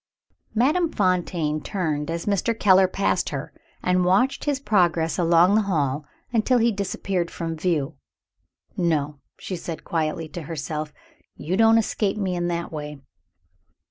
Madame Fontaine turned as Mr. Keller passed her, and watched his progress along the hall until he disappeared from view. "No," she said quietly to herself, "you don't escape me in that way."